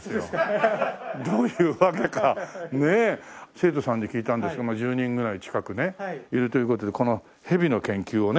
生徒さんに聞いたんですが１０人ぐらい近くねいるという事でこのヘビの研究をね。